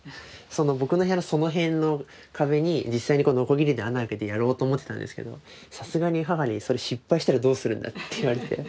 僕の部屋のその辺の壁に実際にノコギリで穴開けてやろうと思ってたんですけどさすがに母に「それ失敗したらどうするんだ」って言われて。